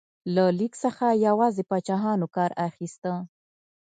له لیک څخه یوازې پاچاهانو کار اخیسته.